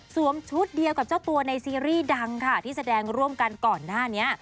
ชุดเดียวกับเจ้าตัวในซีรีส์ดังค่ะที่แสดงร่วมกันก่อนหน้านี้